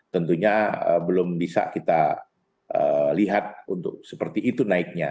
tentunya belum bisa kita lihat untuk seperti itu naiknya